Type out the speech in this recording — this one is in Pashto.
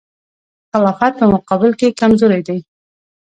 خلافت په مقابل کې کمزوری دی.